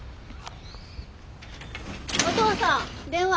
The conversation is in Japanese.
おとうさん電話。